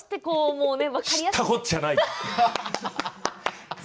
知ったこっちゃない。